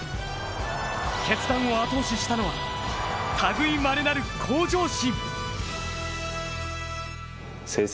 決断を後押ししたのはたぐいまれなる向上心。